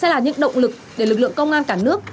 sẽ là những động lực để lực lượng công an cả nước